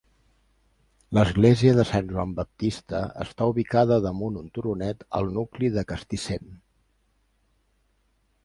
L'església de Sant Joan Baptista està ubicada damunt un turonet al nucli de Castissent.